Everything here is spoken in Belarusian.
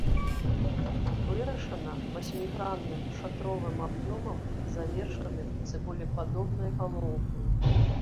Вырашана васьмігранным шатровым аб'ёмам, завершаным цыбулепадобнай галоўкай.